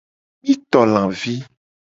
Mi to lavi.